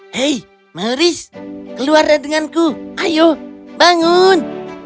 hei mauris keluarnya denganku ayo bangun